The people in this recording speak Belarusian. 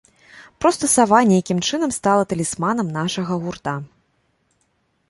Проста сава нейкім чынам стала талісманам нашага гурта.